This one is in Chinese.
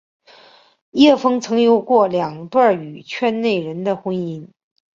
叶枫曾有过两段与圈内人的婚姻。